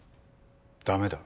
駄目だ。